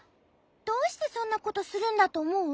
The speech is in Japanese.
どうしてそんなことするんだとおもう？